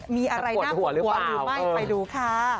มีอะไรน่าหดหัวหรือไม่ไปดูค่ะ